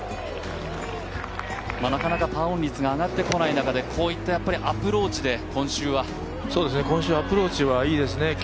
なかなかパーオン率が上がってこない中でこういったアプローチで今週アプローチはいいですね